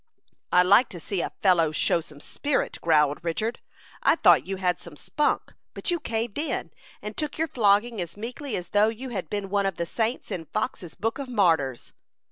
"I like to see a fellow show some spirit," growled Richard. "I thought you had some spunk; but you caved in, and took your flogging as meekly as though you had been one of the saints in Fox's Book of Martyrs."